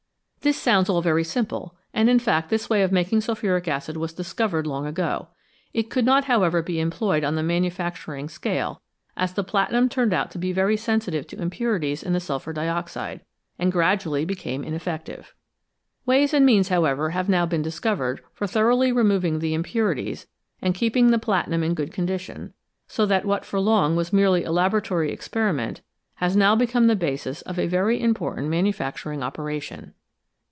This sounds all very simple, and, in fact, this way of making sulphuric acid was discovered long ago. It could not, however, be employed on the manufacturing scale, as the platinum turned out to be very sensitive to impurities in the sulphur dioxide, and gradually be came ineffective. Ways and means, however, have now been discovered for thoroughly removing the impurities and keeping the platinum in good condition, so that what for long was merely a laboratory experiment has now become the basis of a very important manufacturing operation.